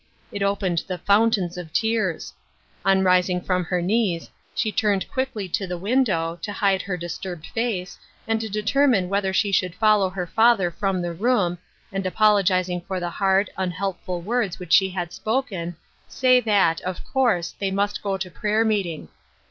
It opened the fountains of tears. On rising from her knees, she turned quickly to the win dow, to hide her disturbed face, and to deter mine whether she should follow her father from the room, and apologizing for the hard, unhelp ful words which she had spoken, say that, of course, they must go to prayer meeting.